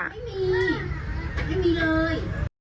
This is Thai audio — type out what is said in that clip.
ไม่มีไม่มีเลย